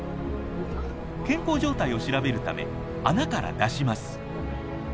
健康状態を調べるため穴から出します。